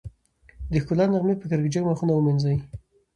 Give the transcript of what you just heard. د ښکلا نغمې به کرکجن مخونه ومينځي